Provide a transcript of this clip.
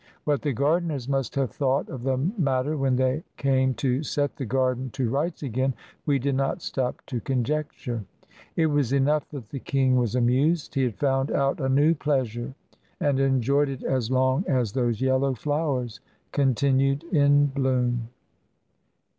What the gardeners must have thought of the matter when they came to set the garden to rights again, we did not stop to conjecture. It was enough that the king was amused. He had foimd out a new pleasure, and enjoyed it as long as those yellow flowers continued in bloom.